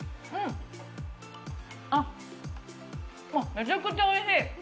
めちゃくちゃおいしい。